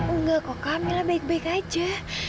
enggak kok kak mila baik baik aja